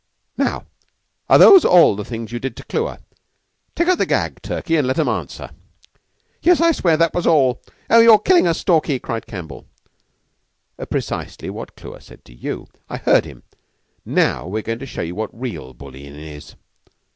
"Now are those all the things you did to Clewer? Take out the gag, Turkey, and let 'em answer." "Yes, I swear that was all. Oh, you're killing us, Stalky!" cried Campbell. "Pre cisely what Clewer said to you. I heard him. Now we're goin' to show you what real bullyin' is.